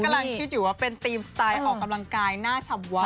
กำลังคิดอยู่ว่าเป็นธีมสไตล์ออกกำลังกายหน้าชำวะ